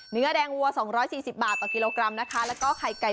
เนื้อแดงวัว๒๔๐บาทต่อกิโลกรัมนะคะแล้วก็ไข่ไก่